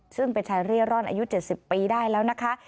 ซึ่งเป็นชายเร่ร่อนอายุ๗๐ปีได้แล้วนะคะ